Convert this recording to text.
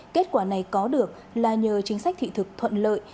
kết quả này có được là nhờ chính sách thị thực thuận lợi